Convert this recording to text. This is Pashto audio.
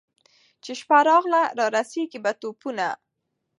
چي شپه راغله رارسېږي په ټوپونو